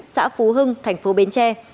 xã phú hưng thành phố bến tre